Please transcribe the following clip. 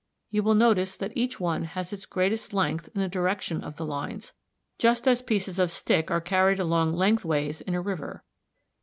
You will notice that each one has its greatest length in the direction of the lines, just as pieces of stick are carried along lengthways in a river.